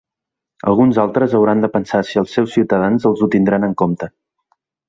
Alguns altres hauran de pensar si els seus ciutadans els ho tindran en compte.